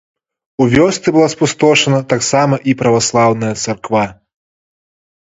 У вёсцы была спустошана таксама і праваслаўная царква.